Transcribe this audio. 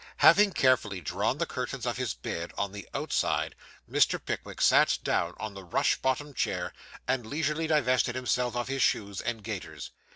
Having carefully drawn the curtains of his bed on the outside, Mr. Pickwick sat down on the rush bottomed chair, and leisurely divested himself of his shoes and gaiters.